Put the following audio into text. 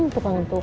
tuh kangen tuh